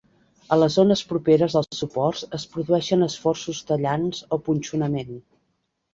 A les zones properes als suports es produeixen esforços tallants o punxonament.